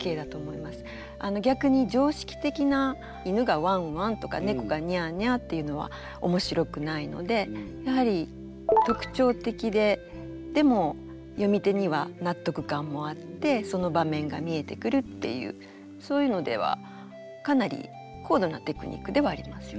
逆に常識的な犬がワンワンとか猫がニャーニャーっていうのは面白くないのでやはり特徴的ででも読み手には納得感もあってその場面が見えてくるっていうそういうのではかなり高度なテクニックではありますよね。